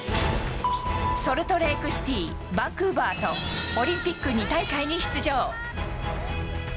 ソルトレークシティーバンクーバーとオリンピック２大会に出場。